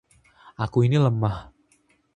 Aku ini lemah.